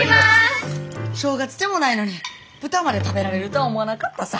正月でもないのに豚まで食べられるとは思わなかったさ。